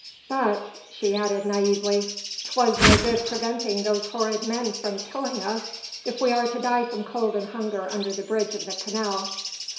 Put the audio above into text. But," she added naïvely, "'twas no good preventing those horrid men from killing us, if we are to die from cold and hunger under the bridge of the canal."